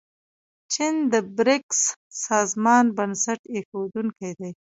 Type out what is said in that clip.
چین د بریکس سازمان بنسټ ایښودونکی دی.